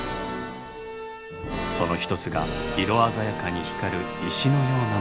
その一つが色鮮やかに光る石のようなもの。